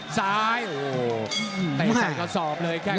ซ้ายโอ้ใส่ใส่กระสอบเลย